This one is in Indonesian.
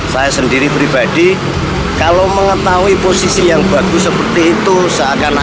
saya sendiri pribadi kalau mengetahui posisi yang bagus seperti itu seakan akan kok ya agak ikut